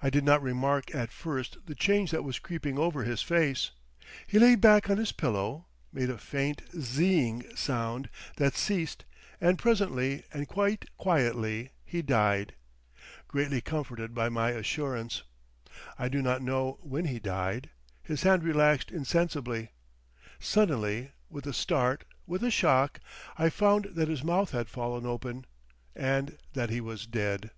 I did not remark at first the change that was creeping over his face. He lay back on his pillow, made a faint zzzing sound that ceased, and presently and quite quietly he died—greatly comforted by my assurance. I do not know when he died. His hand relaxed insensibly. Suddenly, with a start, with a shock, I found that his mouth had fallen open, and that he was dead....